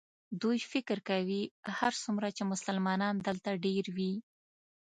دوی فکر کوي هرڅومره چې مسلمانان دلته ډېر وي.